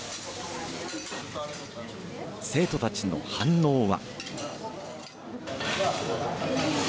生徒たちの反応は。